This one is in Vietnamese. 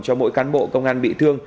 cho mỗi cán bộ công an bị thương